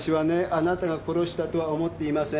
あなたが殺したとは思っていません。